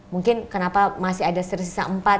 mungkin kenapa masih ada tersisa empat